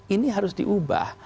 ini harus diubah